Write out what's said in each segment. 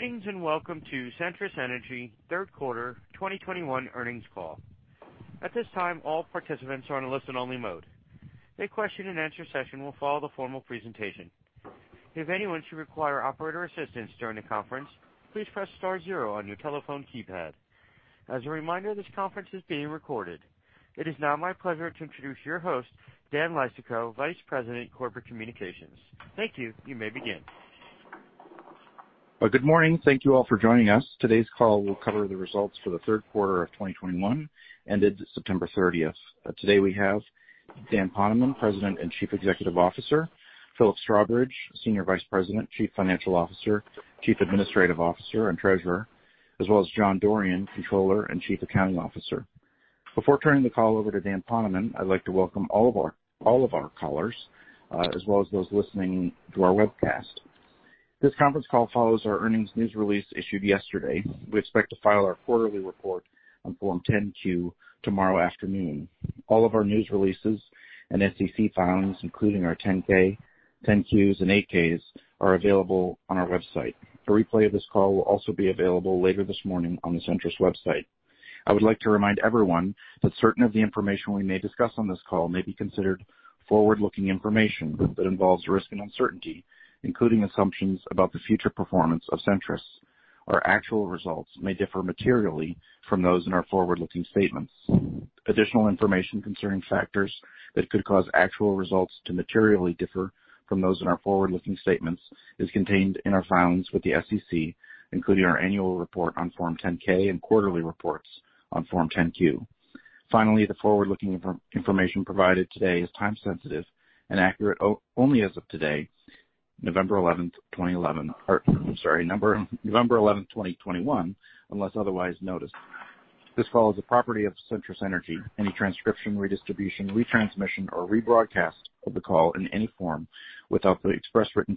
Greetings and welcome to Centrus Energy Third Quarter 2021 earnings call. At this time, all participants are on a listen-only mode. A question-and-answer session will follow the formal presentation. If anyone should require operator assistance during the conference, please press star zero on your telephone keypad. As a reminder, this conference is being recorded. It is now my pleasure to introduce your host, Dan Leistikow, Vice President, Corporate Communications. Thank you. You may begin. Good morning. Thank you all for joining us. Today's call will cover the results for the third quarter of 2021, ended September 30th. Today we have Dan Poneman, President and Chief Executive Officer, Philip Strawbridge, Senior Vice President, Chief Financial Officer, Chief Administrative Officer, and Treasurer, as well as John Dorrian, Controller and Chief Accounting Officer. Before turning the call over to Dan Poneman, I'd like to welcome all of our callers, as well as those listening to our webcast. This conference call follows our earnings news release issued yesterday. We expect to file our quarterly report on Form 10-Q tomorrow afternoon. All of our news releases and SEC filings, including our 10-K, 10-Qs, and 8-Ks, are available on our website. A replay of this call will also be available later this morning on the Centrus website. I would like to remind everyone that certain of the information we may discuss on this call may be considered forward-looking information that involves risk and uncertainty, including assumptions about the future performance of Centrus. Our actual results may differ materially from those in our forward-looking statements. Additional information concerning factors that could cause actual results to materially differ from those in our forward-looking statements is contained in our filings with the SEC, including our annual report on Form 10-K and quarterly reports on Form 10-Q. Finally, the forward-looking information provided today is time-sensitive and accurate only as of today, November 11th, 2011, or sorry, November 11th, 2021, unless otherwise noticed. This call is the property of Centrus Energy. Any transcription, redistribution, retransmission, or rebroadcast of the call in any form without the express written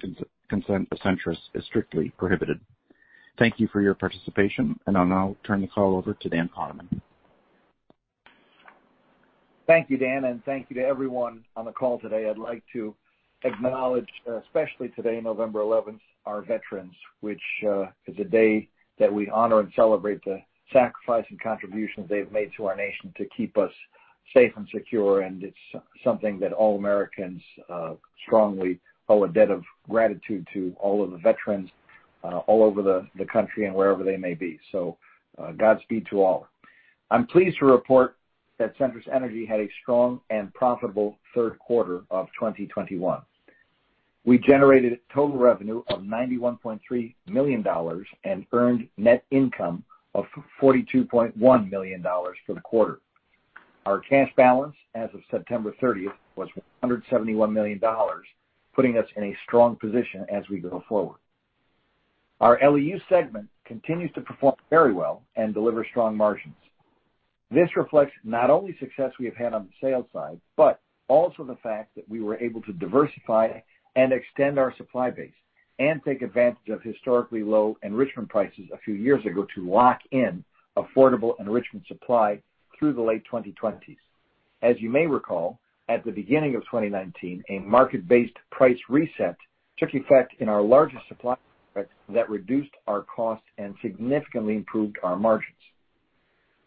consent of Centrus is strictly prohibited. Thank you for your participation, and I'll now turn the call over to Dan Poneman. Thank you, Dan, and thank you to everyone on the call today. I'd like to acknowledge, especially today, November 11th, our veterans, which is a day that we honor and celebrate the sacrifice and contributions they've made to our nation to keep us safe and secure. And it's something that all Americans strongly owe a debt of gratitude to all of the veterans all over the country and wherever they may be. So Godspeed to all. I'm pleased to report that Centrus Energy had a strong and profitable third quarter of 2021. We generated a total revenue of $91.3 million and earned net income of $42.1 million for the quarter. Our cash balance as of September 30th was $171 million, putting us in a strong position as we go forward. Our LEU segment continues to perform very well and deliver strong margins. This reflects not only success we have had on the sales side, but also the fact that we were able to diversify and extend our supply base and take advantage of historically low enrichment prices a few years ago to lock in affordable enrichment supply through the late 2020s. As you may recall, at the beginning of 2019, a market-based price reset took effect in our largest supply that reduced our costs and significantly improved our margins.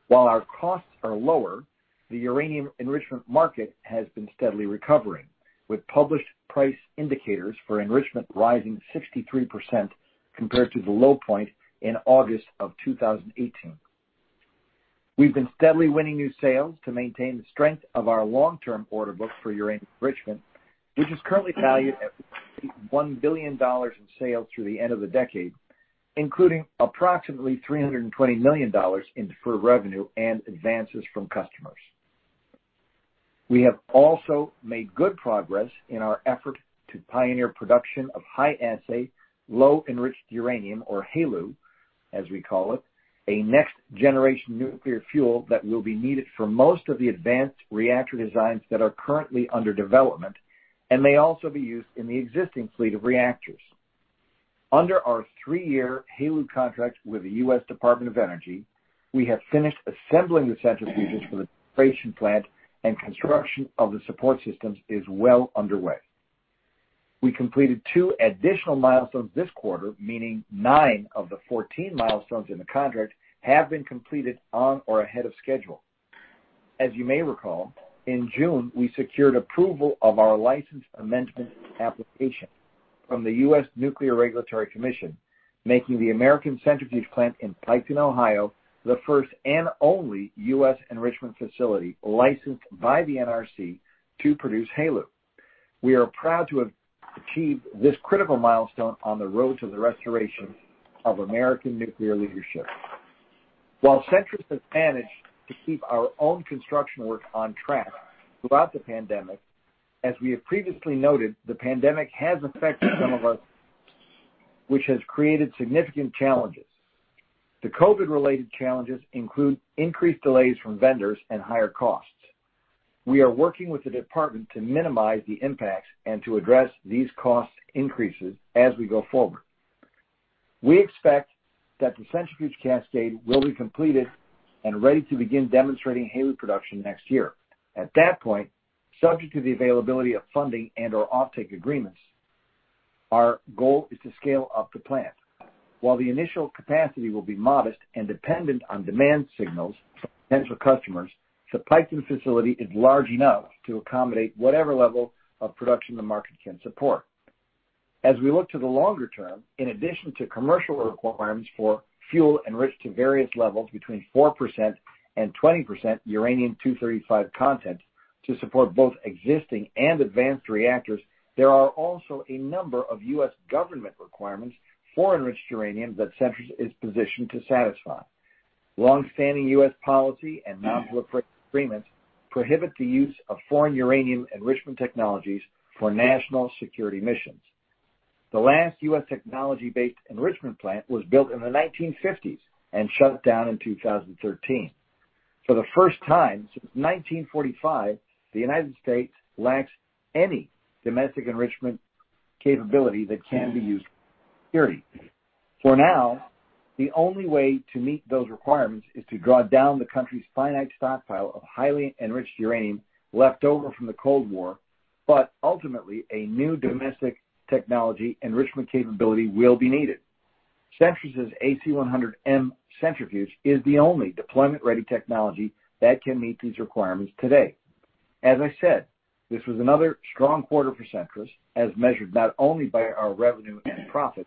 While our costs are lower, the uranium enrichment market has been steadily recovering, with published price indicators for enrichment rising 63% compared to the low point in August of 2018. We've been steadily winning new sales to maintain the strength of our long-term order books for uranium enrichment, which is currently valued at $1 billion in sales through the end of the decade, including approximately $320 million in deferred revenue and advances from customers. We have also made good progress in our effort to pioneer production of high-assay low-enriched uranium, or HALEU, as we call it, a next-generation nuclear fuel that will be needed for most of the advanced reactor designs that are currently under development and may also be used in the existing fleet of reactors. Under our three-year HALEU contract with the U.S. Department of Energy, we have finished assembling the centrifuges for the generation plant and construction of the support systems is well underway. We completed two additional milestones this quarter, meaning nine of the 14 milestones in the contract have been completed on or ahead of schedule. As you may recall, in June, we secured approval of our license amendment application from the U.S. Nuclear Regulatory Commission, making the American Centrifuge Plant in Piketon, Ohio, the first and only U.S. enrichment facility licensed by the NRC to produce HALEU. We are proud to have achieved this critical milestone on the road to the restoration of American nuclear leadership. While Centrus has managed to keep our own construction work on track throughout the pandemic, as we have previously noted, the pandemic has affected some of us, which has created significant challenges. The COVID-related challenges include increased delays from vendors and higher costs. We are working with the department to minimize the impacts and to address these cost increases as we go forward. We expect that the centrifuge cascade will be completed and ready to begin demonstrating HALEU production next year. At that point, subject to the availability of funding and/or off-take agreements, our goal is to scale up the plant. While the initial capacity will be modest and dependent on demand signals from potential customers, the Piketon facility is large enough to accommodate whatever level of production the market can support. As we look to the longer term, in addition to commercial requirements for fuel enriched to various levels between 4%-20% uranium-235 content to support both existing and advanced reactors, there are also a number of U.S. government requirements for enriched uranium that Centrus is positioned to satisfy. Longstanding U.S. policy and non-proliferation agreements prohibit the use of foreign uranium enrichment technologies for national security missions. The last U.S. technology-based enrichment plant was built in the 1950s and shut down in 2013. For the first time since 1945, the United States lacks any domestic enrichment capability that can be used for security. For now, the only way to meet those requirements is to draw down the country's finite stockpile of highly enriched uranium left over from the Cold War, but ultimately, a new domestic technology enrichment capability will be needed. Centrus's AC-100M centrifuge is the only deployment-ready technology that can meet these requirements today. As I said, this was another strong quarter for Centrus, as measured not only by our revenue and profit,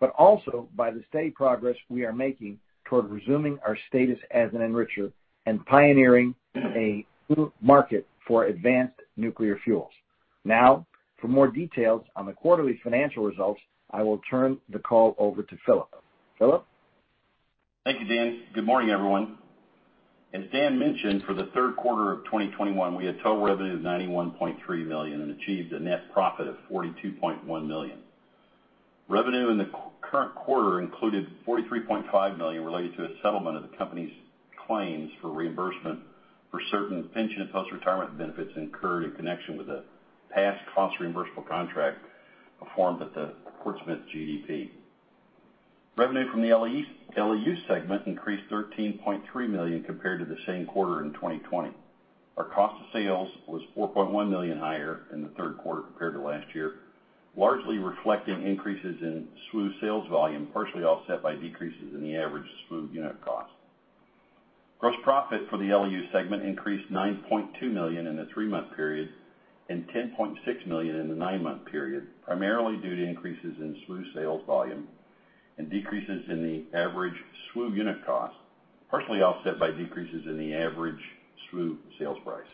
but also by the steady progress we are making toward resuming our status as an enricher and pioneering a new market for advanced nuclear fuels. Now, for more details on the quarterly financial results, I will turn the call over to Philip. Philip? Thank you, Dan. Good morning, everyone. As Dan mentioned, for the third quarter of 2021, we had total revenue of $91.3 million and achieved a net profit of $42.1 million. Revenue in the current quarter included $43.5 million related to a settlement of the company's claims for reimbursement for certain pension and post-retirement benefits incurred in connection with a past cost-reimbursable contract performed at the Portsmouth GDP. Revenue from the LEU segment increased $13.3 million compared to the same quarter in 2020. Our cost of sales was $4.1 million higher in the third quarter compared to last year, largely reflecting increases in SWU sales volume, partially offset by decreases in the average SWU unit cost. Gross profit for the LEU segment increased $9.2 million in the three-month period and $10.6 million in the nine-month period, primarily due to increases in SWU sales volume and decreases in the average SWU unit cost, partially offset by decreases in the average SWU sales price.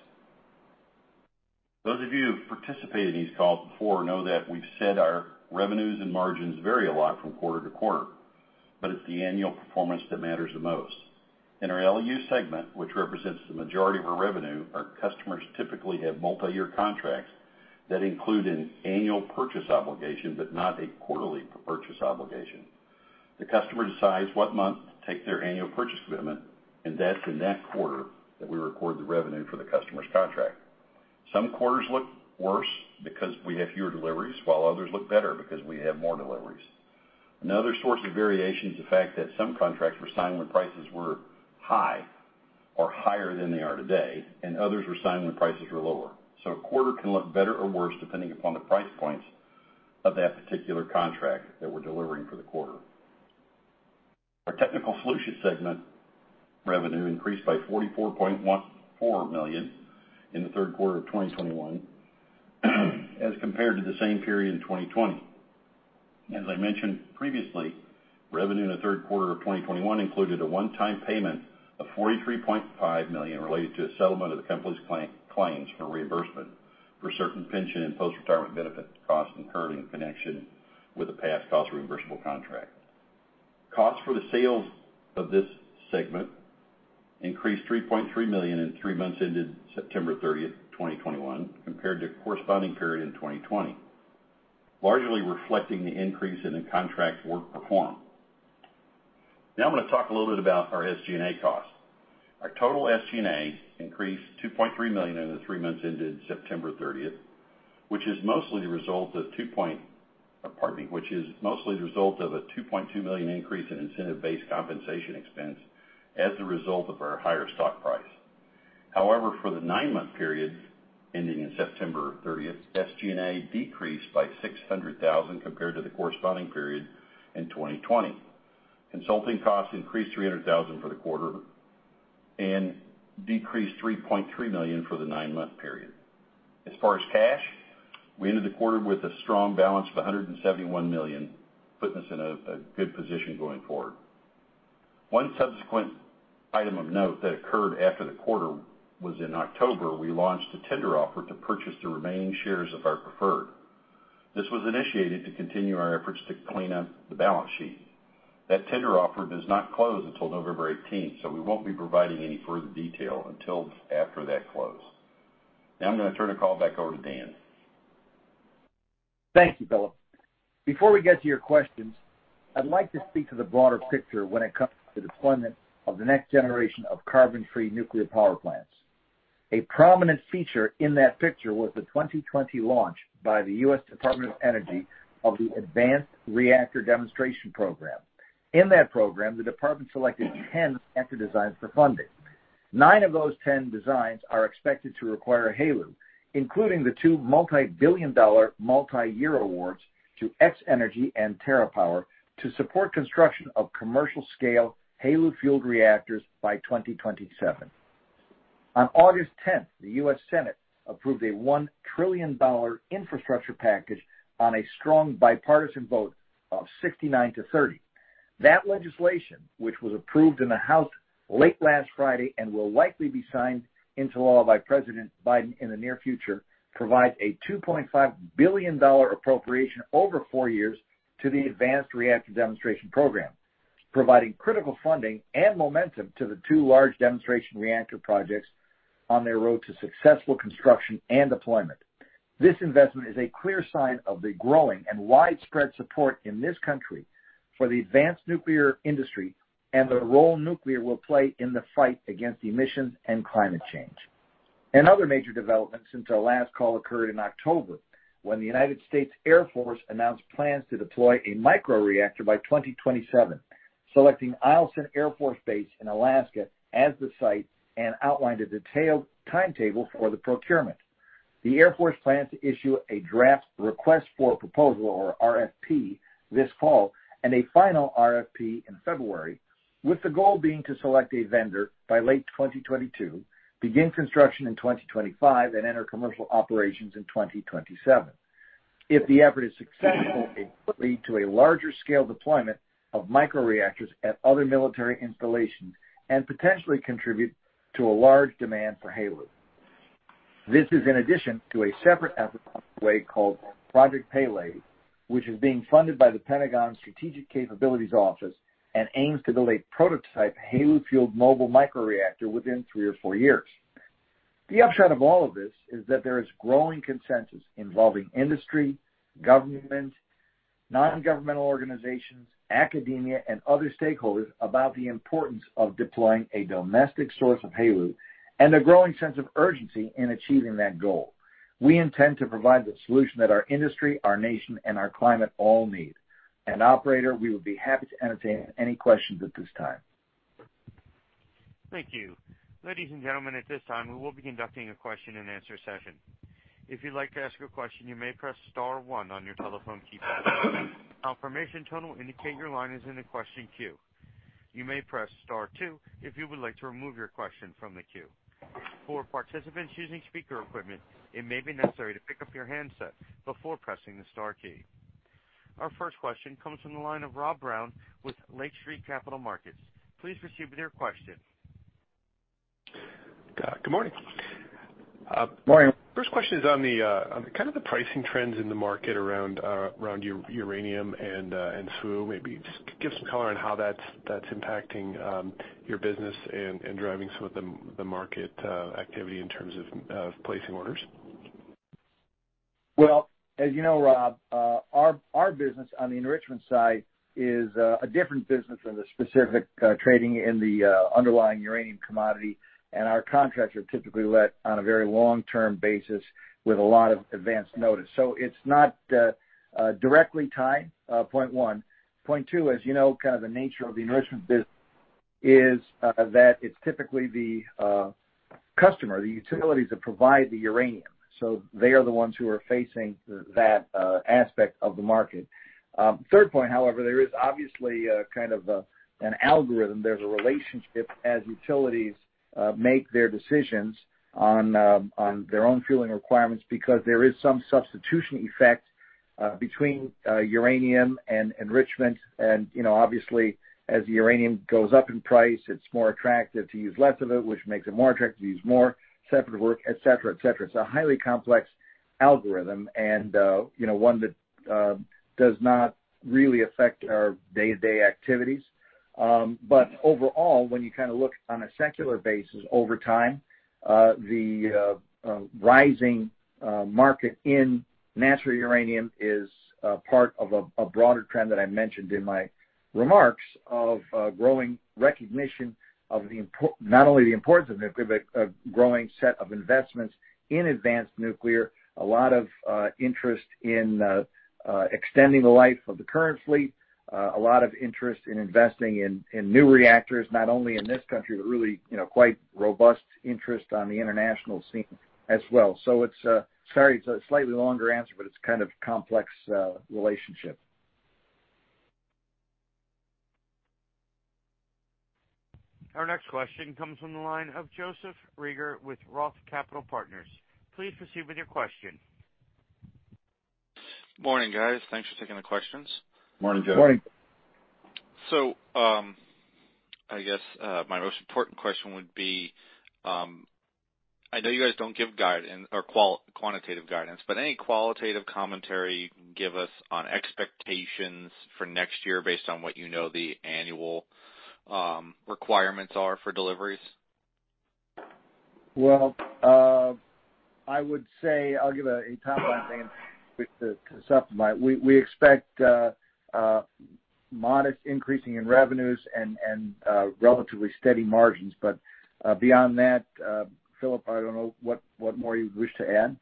Those of you who have participated in these calls before know that we've set our revenues and margins vary a lot from quarter to quarter, but it's the annual performance that matters the most. In our LEU segment, which represents the majority of our revenue, our customers typically have multi-year contracts that include an annual purchase obligation but not a quarterly purchase obligation. The customer decides what month to take their annual purchase commitment, and that's in that quarter that we record the revenue for the customer's contract. Some quarters look worse because we have fewer deliveries, while others look better because we have more deliveries. Another source of variation is the fact that some contracts were signed when prices were high or higher than they are today, and others were signed when prices were lower. So a quarter can look better or worse depending upon the price points of that particular contract that we're delivering for the quarter. Our technical solutions segment revenue increased by $44.14 million in the third quarter of 2021 as compared to the same period in 2020. As I mentioned previously, revenue in the third quarter of 2021 included a one-time payment of $43.5 million related to a settlement of the company's claims for reimbursement for certain pension and post-retirement benefit costs incurred in connection with a past cost-reimbursable contract. Costs for the sales of this segment increased $3.3 million in three months ended September 30th, 2021, compared to a corresponding period in 2020, largely reflecting the increase in the contract work performed. Now I'm going to talk a little bit about our SG&A costs. Our total SG&A increased $2.3 million in the three months ended September 30th, which is mostly the result of $2.2 million increase in incentive-based compensation expense as the result of our higher stock price. However, for the nine-month period ending in September 30th, SG&A decreased by $600,000 compared to the corresponding period in 2020. Consulting costs increased $300,000 for the quarter and decreased $3.3 million for the nine-month period. As far as cash, we ended the quarter with a strong balance of $171 million, putting us in a good position going forward. One subsequent item of note that occurred after the quarter was in October, we launched a tender offer to purchase the remaining shares of our preferred. This was initiated to continue our efforts to clean up the balance sheet. That tender offer does not close until November 18th, so we won't be providing any further detail until after that close. Now I'm going to turn the call back over to Dan. Thank you, Philip. Before we get to your questions, I'd like to speak to the broader picture when it comes to deployment of the next generation of carbon-free nuclear power plants. A prominent feature in that picture was the 2020 launch by the U.S. Department of Energy of the Advanced Reactor Demonstration Program. In that program, the department selected 10 reactor designs for funding. Nine of those 10 designs are expected to require HALEU, including the two multi-billion dollar multi-year awards to X-energy and TerraPower to support construction of commercial-scale HALEU-fueled reactors by 2027. On August 10th, the U.S. Senate approved a $1 trillion infrastructure package on a strong bipartisan vote of 69 to 30. That legislation, which was approved in the House late last Friday and will likely be signed into law by President Biden in the near future, provides a $2.5 billion appropriation over four years to the Advanced Reactor Demonstration Program, providing critical funding and momentum to the two large demonstration reactor projects on their road to successful construction and deployment. This investment is a clear sign of the growing and widespread support in this country for the advanced nuclear industry and the role nuclear will play in the fight against emissions and climate change. Another major development since our last call occurred in October when the United States Air Force announced plans to deploy a micro-reactor by 2027, selecting Eielson Air Force Base in Alaska as the site and outlined a detailed timetable for the procurement. The Air Force plans to issue a draft request for proposal, or RFP, this fall and a final RFP in February, with the goal being to select a vendor by late 2022, begin construction in 2025, and enter commercial operations in 2027. If the effort is successful, it could lead to a larger-scale deployment of micro-reactors at other military installations and potentially contribute to a large demand for HALEU. This is in addition to a separate effort underway called Project Pele, which is being funded by the Pentagon Strategic Capabilities Office and aims to deliver a prototype HALEU-fueled mobile micro-reactor within three or four years. The upshot of all of this is that there is growing consensus involving industry, government, non-governmental organizations, academia, and other stakeholders about the importance of deploying a domestic source of HALEU and a growing sense of urgency in achieving that goal. We intend to provide the solution that our industry, our nation, and our climate all need. And operator, we would be happy to entertain any questions at this time. Thank you. Ladies and gentlemen, at this time, we will be conducting a question-and-answer session. If you'd like to ask a question, you may press star one on your telephone keypad. Confirmation tone will indicate your line is in the question queue. You may press star two if you would like to remove your question from the queue. For participants using speaker equipment, it may be necessary to pick up your handset before pressing the star key. Our first question comes from the line of Rob Brown with Lake Street Capital Markets. Please proceed with your question. Good morning. Morning. First question is on kind of the pricing trends in the market around uranium and SWU, maybe just give some color on how that's impacting your business and driving some of the market activity in terms of placing orders. As you know, Rob, our business on the enrichment side is a different business than the specific trading in the underlying uranium commodity, and our contracts are typically let on a very long-term basis with a lot of advanced notice. It's not directly tied, point one. Point two, as you know, kind of the nature of the enrichment business is that it's typically the customer, the utilities that provide the uranium. So they are the ones who are facing that aspect of the market. Third point, however, there is obviously kind of an algorithm. There's a relationship as utilities make their decisions on their own fueling requirements because there is some substitution effect between uranium and enrichment. Obviously, as uranium goes up in price, it's more attractive to use less of it, which makes it more attractive to use more separative work, etc., etc. It's a highly complex algorithm and one that does not really affect our day-to-day activities. But overall, when you kind of look on a secular basis over time, the rising market in natural uranium is part of a broader trend that I mentioned in my remarks of growing recognition of not only the importance of nuclear, but a growing set of investments in advanced nuclear, a lot of interest in extending the life of the current fleet, a lot of interest in investing in new reactors, not only in this country, but really quite robust interest on the international scene as well, so sorry, it's a slightly longer answer, but it's kind of a complex relationship. Our next question comes from the line of Joseph Reagor with Roth Capital Partners. Please proceed with your question. Morning, guys. Thanks for taking the questions. Morning, Joseph. Morning. So I guess my most important question would be, I know you guys don't give quantitative guidance, but any qualitative commentary you can give us on expectations for next year based on what you know the annual requirements are for deliveries? Well, I would say I'll give a top line thing to supplement. We expect modest increasing in revenues and relatively steady margins. But beyond that, Philip, I don't know what more you would wish to add.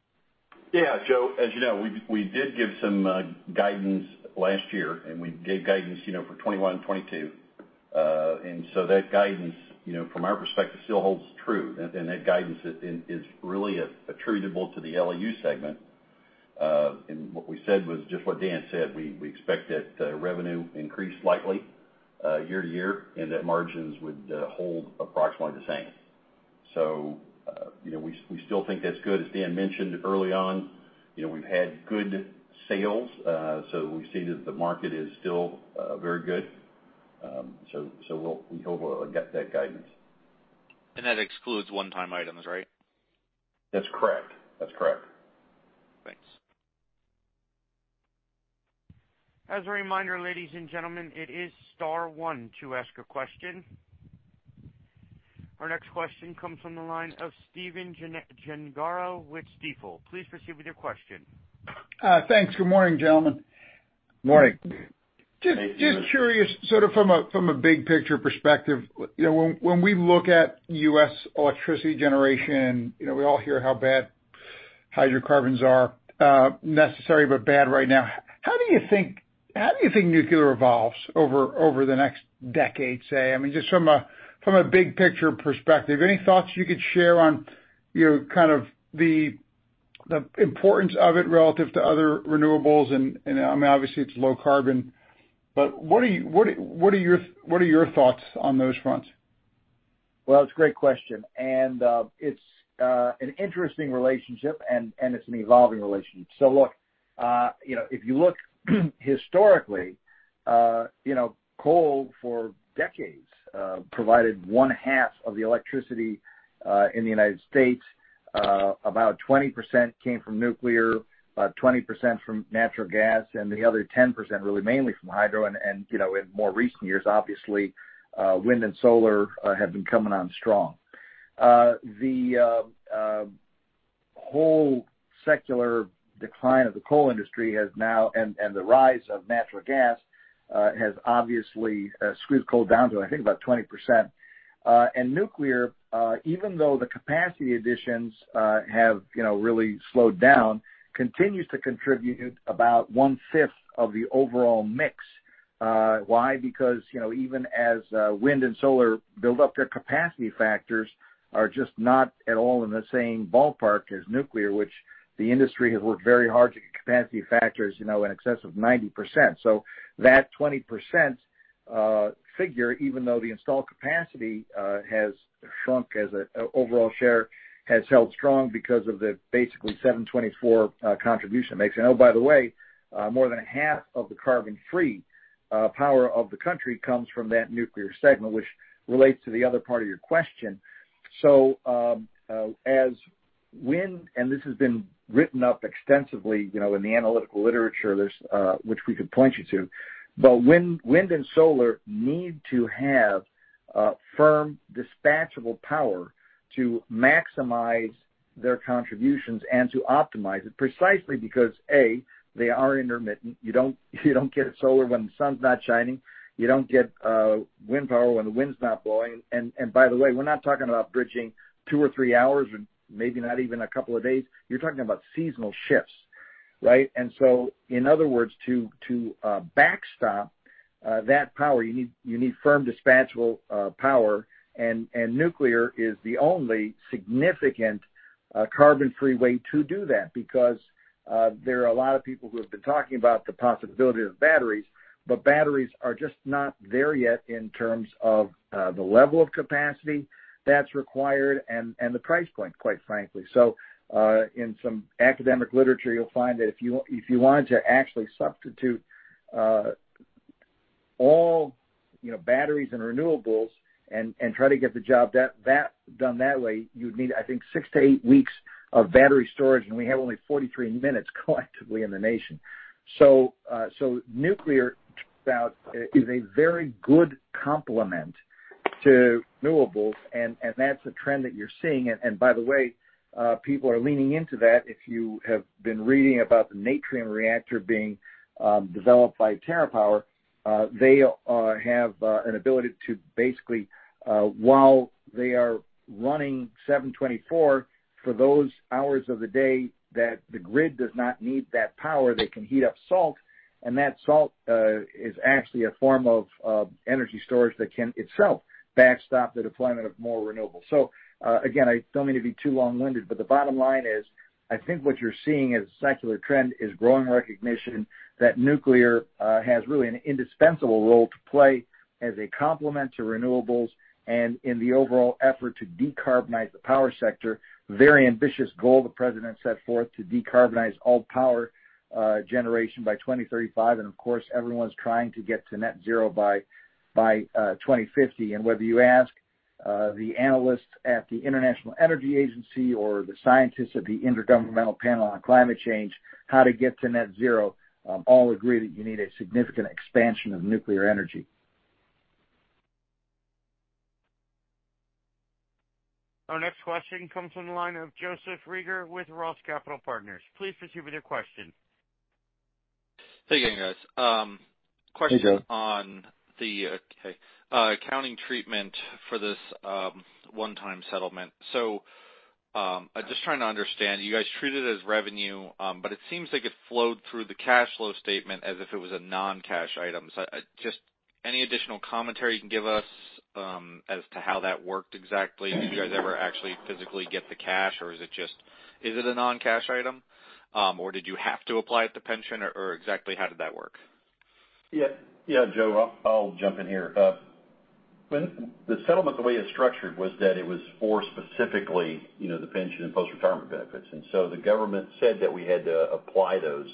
Yeah, Joe, as you know, we did give some guidance last year, and we gave guidance for 2021 and 2022. And so that guidance, from our perspective, still holds true. And that guidance is really attributable to the LEU segment. And what we said was just what Dan said. We expect that revenue increased slightly year to year, and that margins would hold approximately the same. So we still think that's good. As Dan mentioned early on, we've had good sales, so we see that the market is still very good. So we hope we'll get that guidance. That excludes one-time items, right? That's correct. That's correct. Thanks. As a reminder, ladies and gentlemen, it is star one to ask a question. Our next question comes from the line of Stephen Gengaro with Stifel. Please proceed with your question. Thanks. Good morning, gentlemen. Morning. Just curious, sort of from a big-picture perspective, when we look at U.S. electricity generation, we all hear how bad hydrocarbons are, necessary but bad right now. How do you think nuclear evolves over the next decade, say? I mean, just from a big-picture perspective, any thoughts you could share on kind of the importance of it relative to other renewables? And I mean, obviously, it's low carbon, but what are your thoughts on those fronts? It's a great question. It's an interesting relationship, and it's an evolving relationship. Look, if you look historically, coal for decades provided one-half of the electricity in the United States. About 20% came from nuclear, about 20% from natural gas, and the other 10% really mainly from hydro. In more recent years, obviously, wind and solar have been coming on strong. The whole secular decline of the coal industry has now, and the rise of natural gas has obviously squeezed coal down to, I think, about 20%. Nuclear, even though the capacity additions have really slowed down, continues to contribute about one-fifth of the overall mix. Why? Because even as wind and solar build up, their capacity factors are just not at all in the same ballpark as nuclear, which the industry has worked very hard to get capacity factors in excess of 90%. That 20% figure, even though the installed capacity has shrunk as an overall share, has held strong because of the basically 92.4% contribution it makes. And oh, by the way, more than half of the carbon-free power of the country comes from that nuclear segment, which relates to the other part of your question. As wind, and this has been written up extensively in the analytical literature, which we could point you to, but wind and solar need to have firm dispatchable power to maximize their contributions and to optimize it precisely because, A, they are intermittent. You don't get solar when the sun's not shining. You don't get wind power when the wind's not blowing. And by the way, we're not talking about bridging two or three hours or maybe not even a couple of days. You're talking about seasonal shifts, right? And so in other words, to backstop that power, you need firm dispatchable power. And nuclear is the only significant carbon-free way to do that because there are a lot of people who have been talking about the possibility of batteries, but batteries are just not there yet in terms of the level of capacity that's required and the price point, quite frankly. So in some academic literature, you'll find that if you wanted to actually substitute all batteries and renewables and try to get the job done that way, you'd need, I think, six to eight weeks of battery storage, and we have only 43 minutes collectively in the nation. So nuclear is a very good complement to renewables, and that's a trend that you're seeing. And by the way, people are leaning into that. If you have been reading about the Natrium Reactor being developed by TerraPower, they have an ability to basically, while they are running 24/7 for those hours of the day that the grid does not need that power, they can heat up salt. And that salt is actually a form of energy storage that can itself backstop the deployment of more renewables. So again, I don't mean to be too long-winded, but the bottom line is I think what you're seeing as a secular trend is growing recognition that nuclear has really an indispensable role to play as a complement to renewables and in the overall effort to decarbonize the power sector. Very ambitious goal the president set forth to decarbonize all power generation by 2035. And of course, everyone's trying to get to net zero by 2050. Whether you ask the analysts at the International Energy Agency or the scientists at the Intergovernmental Panel on Climate Change how to get to net zero, all agree that you need a significant expansion of nuclear energy. Our next question comes from the line of Joseph Reagor with Roth Capital Partners. Please proceed with your question. Hey again, guys. Question on the accounting treatment for this one-time settlement. So I'm just trying to understand. You guys treated it as revenue, but it seems like it flowed through the cash flow statement as if it was a non-cash item. So just any additional commentary you can give us as to how that worked exactly? Did you guys ever actually physically get the cash, or is it a non-cash item? Or did you have to apply it to pension? Or exactly how did that work? Yeah, Joe, I'll jump in here. The settlement, the way it's structured, was that it was for specifically the pension and post-retirement benefits. And so the government said that we had to apply those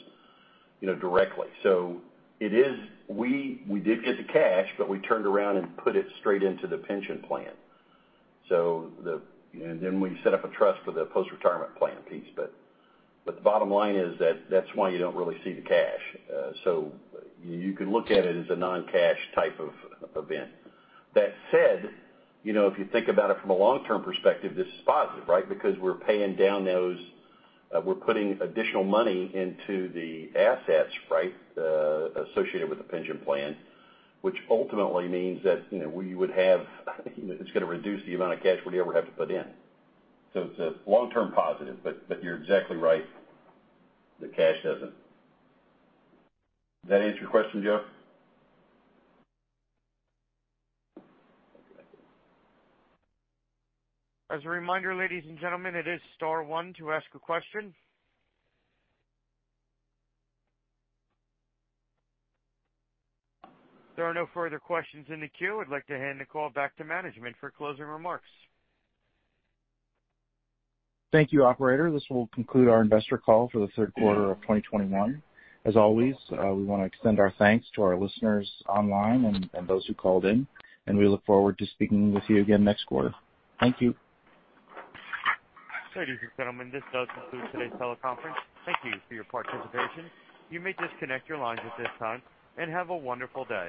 directly. So we did get the cash, but we turned around and put it straight into the pension plan. And then we set up a trust for the post-retirement plan piece. But the bottom line is that that's why you don't really see the cash. So you can look at it as a non-cash type of event. That said, if you think about it from a long-term perspective, this is positive, right? Because we're paying down those, we're putting additional money into the assets, right, associated with the pension plan, which ultimately means that we would have it's going to reduce the amount of cash we'd ever have to put in. So it's a long-term positive, but you're exactly right. The cash doesn't. Does that answer your question, Joe? As a reminder, ladies and gentlemen, it is star one to ask a question. There are no further questions in the queue. I'd like to hand the call back to management for closing remarks. Thank you, operator. This will conclude our investor call for the third quarter of 2021. As always, we want to extend our thanks to our listeners online and those who called in. And we look forward to speaking with you again next quarter. Thank you. Ladies and gentlemen, this does conclude today's teleconference. Thank you for your participation. You may disconnect your lines at this time and have a wonderful day.